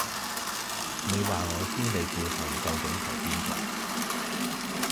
你話我知你背後究竟係邊個